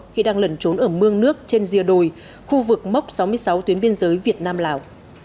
khi đang lẩn trốn ở mương nước trên rìa đồi khu vực mốc sáu mươi sáu tuyến biên giới việt nam lào